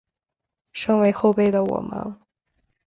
身为后辈的我们